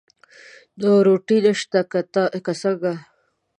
نو روټۍ نشته که څنګه؟